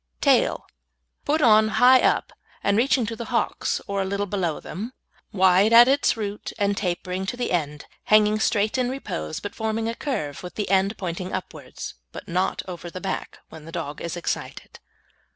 TAIL Put on high up, and reaching to the hocks, or a little below them, wide at its root and tapering to the end, hanging straight in repose, but forming a curve, with the end pointing upwards, but not over the back, when the dog is excited.